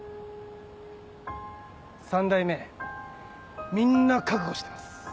３代目みんな覚悟してます。